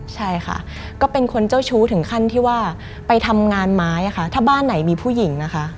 ใช่ค่ะก็เป็นคนเจ้าชู้ถึงขั้นที่ว่าไปทำงานไม้ค่ะถ้าบ้านไหนมีผู้หญิงนะคะ